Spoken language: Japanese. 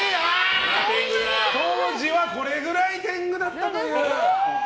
当時はこれくらい天狗だったという。